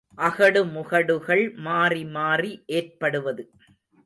அகடுமுகடுகள் மாறிமாறி ஏற்படுவது.